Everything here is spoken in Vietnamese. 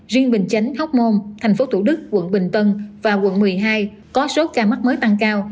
riêng bình chánh hóc môn tp thủ đức quận bình tân và quận một mươi hai có số ca mắc mới tăng cao